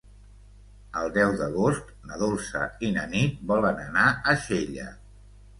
El deu d'agost na Dolça i na Nit volen anar a Xella.